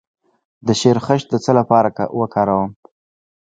د شیرخشت د څه لپاره وکاروم؟